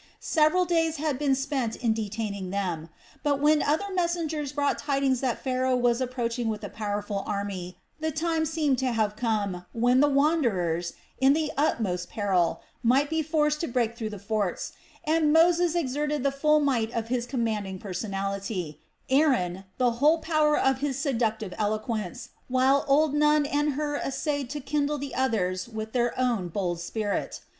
Several days had been spent in detaining them; but when other messengers brought tidings that Pharaoh was approaching with a powerful army the time seemed to have come when the wanderers, in the utmost peril, might be forced to break through the forts, and Moses exerted the full might of his commanding personality, Aaron the whole power of his seductive eloquence, while old Nun and Hur essayed to kindle the others with their own bold spirit.